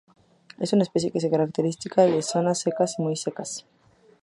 Es una especie característica de zonas secas y muy secas.